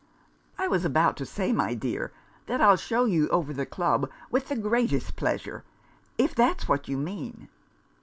"I was about to say, my dear, that I'll show you over the club with the greatest pleasure if that's what you mean."